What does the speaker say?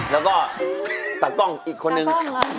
แล้วก็ตากล้องอีกคนนึง